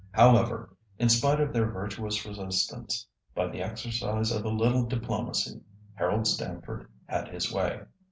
However, in spite of their virtuous resistance, by the exercise of a little diplomacy, Harold Stamford had his way.